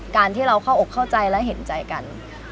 การที่เราเข้าอกเข้าใจและเห็นใจกัน